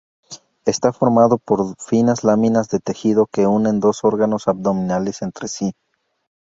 Está formado por finas láminas de tejido que unen dos órganos abdominales entre sí.